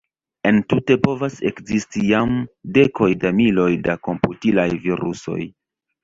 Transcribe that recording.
Entute povas ekzisti jam dekoj da miloj da komputilaj virusoj.